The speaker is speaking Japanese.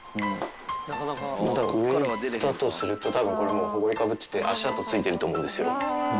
上に行ったとすると、たぶんこれもうほこりかぶってて、足跡ついてると思うんですよ。